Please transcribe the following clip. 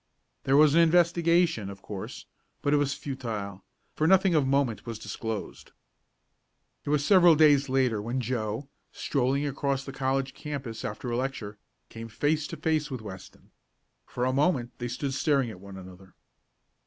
There was an investigation, of course, but it was futile, for nothing of moment was disclosed. It was several days later when Joe, strolling across the college campus after a lecture, came face to face with Weston. For a moment they stood staring at one another.